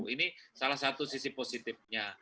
ini salah satu sisi positifnya